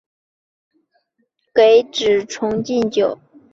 请国君派人替我给子重进酒。